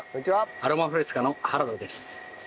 アロマフレスカの原田です。